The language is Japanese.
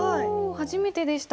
初めてでした。